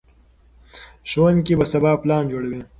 ښوونکي به سبا پلان جوړوي.